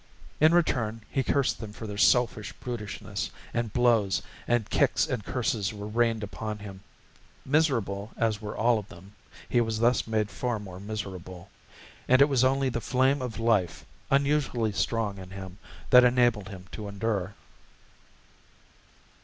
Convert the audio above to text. In return, he cursed them for their selfish brutishness, and blows and kicks and curses were rained upon him. Miserable as were all of them, he was thus made far more miserable; and it was only the flame of life, unusually strong in him, that enabled him to endure.